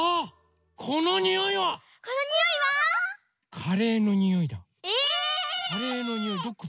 ⁉カレーのにおいどこだ？